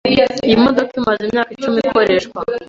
Iyi modoka imaze imyaka icumi ikoreshwa.